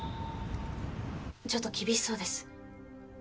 ちょっと厳しそうです。